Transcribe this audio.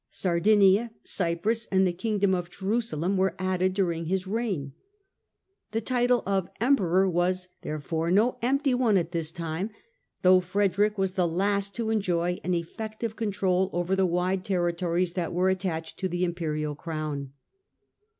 Sardinia, Cyprus and the kingdom of Jeru salem were added during his reign. The title of Emperor was, therefore, no empty one at this time, though Frede rick was the last to enjoy an effective control over the wide territories that were attached to the Imperial crown.